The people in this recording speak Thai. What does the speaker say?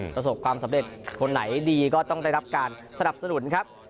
ประสบความสำเร็จคนไหนดีก็ต้องได้รับการสนับสนุนครับ